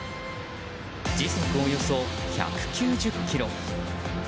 時速およそ１９０キロ。